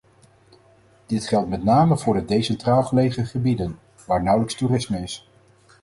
Dit geldt met name voor de decentraal gelegen gebieden, waar nauwelijks toerisme is.